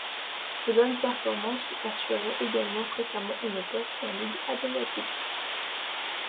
Ses bonnes performances lui assuraient également fréquemment une place en Ligue adriatique.